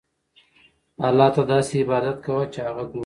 الله ته داسې عبادت کوه چې هغه ګورې.